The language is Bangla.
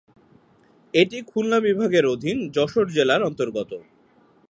এটি খুলনা বিভাগের অধীন যশোর জেলার অন্তর্গত।